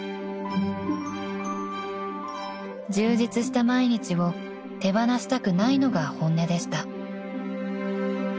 ［充実した毎日を手放したくないのが本音でした］